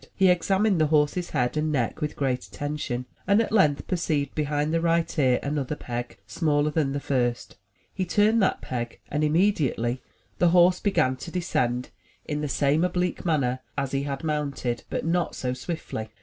He examined the horse's head and neck with great attention, and at length perceived behind the right ear another peg, smaller than the first. He turned that peg, and immediately the horse began to descend in 43 MY BOOK HOUSE the same oblique manner as he had mounted, but not so swiftly.